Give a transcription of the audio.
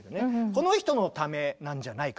この人のためなんじゃないかと。